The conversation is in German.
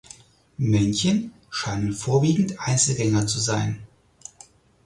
Männchen scheinen vorwiegend Einzelgänger zu sein.